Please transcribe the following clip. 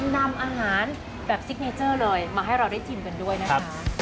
นำอาหารแบบซิกเนเจอร์เลยมาให้เราได้ชิมกันด้วยนะคะ